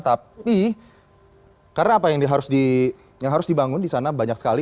tapi karena apa yang harus dibangun di sana banyak sekali